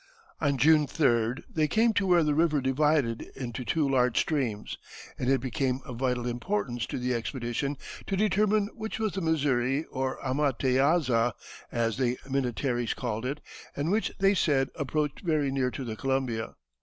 On June 3d they came to where the river divided into two large streams, and it became of vital importance to the expedition to determine which was the Missouri or Ahmateahza, as the Minnetarees called it, and which they said approached very near to the Columbia.